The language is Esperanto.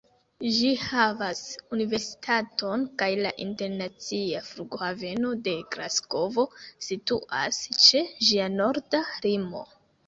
Ĝi havas universitaton, kaj la internacia flughaveno de Glasgovo situas ĉe ĝia norda limo.